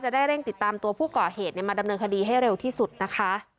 ได้เร่งติดตามตัวผู้ก่อเหตุมาดำเนินคดีให้เร็วที่สุดนะคะ